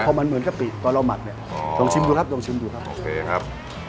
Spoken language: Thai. พอมันเหมือนกะปิตอนเราหมักเนี่ยลองชิมดูครับลองชิมดูครับโอเคครับ